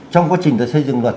trong quá trình xây dựng luật